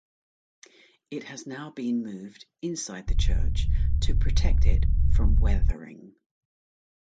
It has now been moved inside the church to protect it from weathering.